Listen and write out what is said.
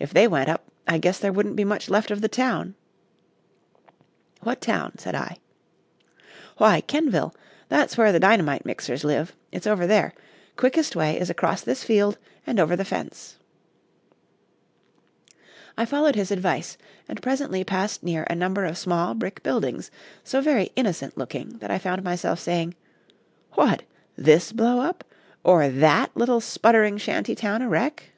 "If they went up, I guess there wouldn't be much left of the town." "What town?" said I. "Why, Kenvil. That's where the dynamite mixers live. It's over there. Quickest way is across this field and over the fence." I followed his advice, and presently passed near a number of small brick buildings so very innocent looking that I found myself saying, "What! this blow up, or that little sputtering shanty wreck a town?"